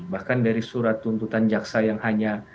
bahkan dari surat tuntutan jaksa yang hanya